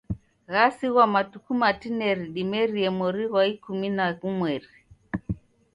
Ghasighwa matuku matineri dimerie mori ghwa ikumi na ghumweri.